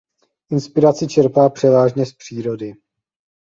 Inspiraci čerpá převážně z přírody.